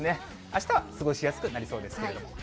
あしたは過ごしやすくなりそうなんですけれども。